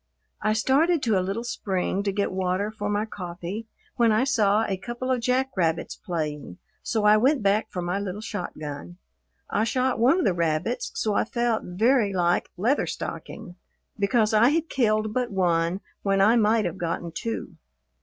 I started to a little spring to get water for my coffee when I saw a couple of jack rabbits playing, so I went back for my little shotgun. I shot one of the rabbits, so I felt very like Leather stocking because I had killed but one when I might have gotten two.